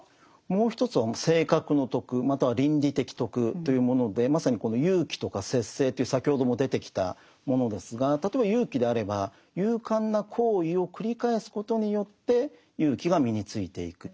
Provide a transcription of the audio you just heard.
もう一つは性格の徳または倫理的徳というものでまさにこの勇気とか節制という先ほども出てきたものですが例えば勇気であれば勇敢な行為を繰り返すことによって勇気が身についていく。